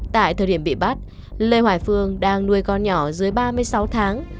tại thời điểm bị bắt lê hoài phương đang nuôi con nhỏ dưới ba mươi sáu tháng